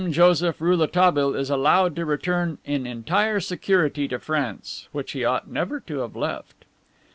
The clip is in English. Joseph Rouletabille is allowed to return in entire security to France, which he ought never to have left."